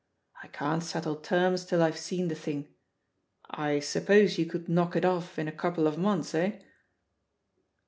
I can't settle terms till I've seen the thing. I suppose you could knock it off in a couple of months, eh?"